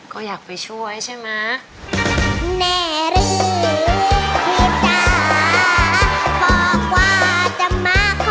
ก็อยากไปช่วยใช่ไหม